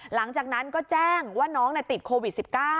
หลังจากนั้นก็แจ้งว่าน้องติดโควิด๑๙